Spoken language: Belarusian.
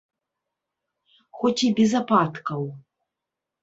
Хоць і без ападкаў.